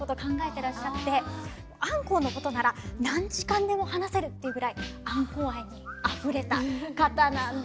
てらっしゃってあんこうのことなら何時間でも話せるっていうぐらいあんこう愛にあふれた方なんです。